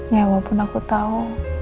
ya walaupun aku tau